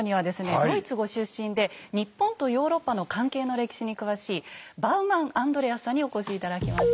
ドイツご出身で日本とヨーロッパの関係の歴史に詳しいバウマン・アンドレアスさんにお越し頂きました。